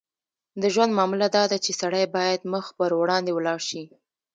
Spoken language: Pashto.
د ژوند معامله داده چې سړی باید مخ پر وړاندې ولاړ شي.